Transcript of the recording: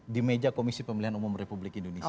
di meja komisi pemilihan umum republik indonesia